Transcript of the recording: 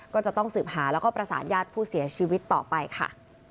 ก็จะต้องสืบหาแล้วก็ประสานญาติผู้เสียชีวิตต่อไปค่ะ